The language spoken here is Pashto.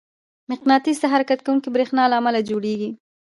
مقناطیس د حرکت کوونکي برېښنا له امله جوړېږي.